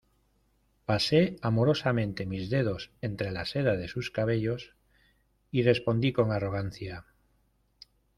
pasé amorosamente mis dedos entre la seda de sus cabellos, y respondí con arrogancia: